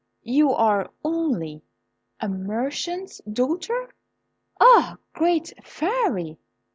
you are only a merchant's daughter? Ah, great Fairy!"